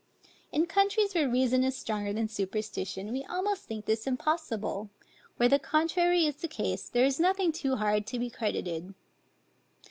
In countries where reason is stronger than superstition, we almost think this impossible: where the contrary is the case, there is nothing too hard to be credited.